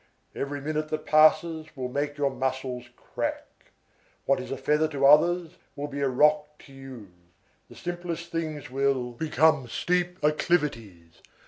Every minute that passes will make your muscles crack. What is a feather to others will be a rock to you. The simplest things will become steep acclivities.